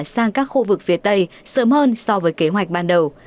sang các khu vực phía tây sớm hơn so với kế hoạch ban đầu